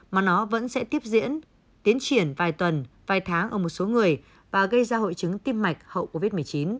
mà nó vẫn sẽ tiếp diễn tiến triển vài tuần vài tháng ở một số người và gây ra hội chứng tim mạch hậu covid một mươi chín